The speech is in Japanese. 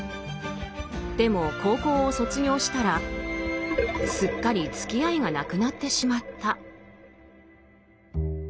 でも高校を卒業したらすっかりつきあいがなくなってしまった。